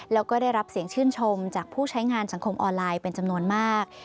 แล้วก็ได้รับเสียงชื่นชมจากผู้ใช้งานสังคมออนไลน์เป็นจำนวนมาก